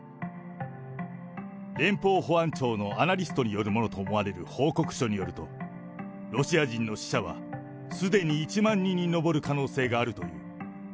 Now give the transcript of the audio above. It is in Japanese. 連邦保安庁のアナリストによるものと思われる報告書によると、ロシア人の死者はすでに１万人に上る可能性があるという。